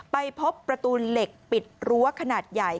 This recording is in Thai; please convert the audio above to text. ไปพบประตูเหล็กปิดรั้วขนาดใหญ่